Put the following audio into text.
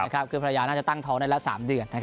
คือภรรยาน่าจะตั้งท้องได้แล้ว๓เดือน